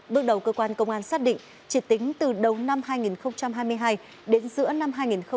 bước đầu cơ quan công an xác định chỉ tính từ đầu năm hai nghìn hai mươi hai đến giữa năm hai nghìn hai mươi ba